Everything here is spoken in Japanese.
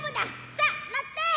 さあ乗って！